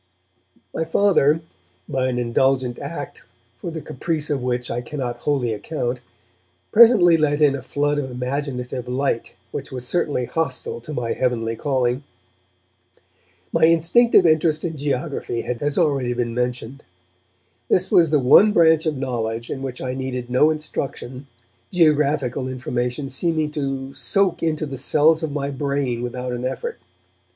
My Father, by an indulgent act for the caprice of which I cannot wholly account, presently let in a flood of imaginative light which was certainly hostile to my heavenly calling. My instinctive interest in geography has already been mentioned. This was the one branch of knowledge in which I needed no instruction, geographical information seeming to soak into the cells of my brain without an effort.